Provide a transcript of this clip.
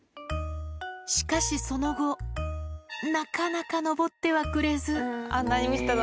しかし、その後、なかなか登ってはくれず。